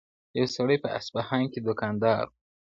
یو سړی په اصفهان کي دوکاندار وو!!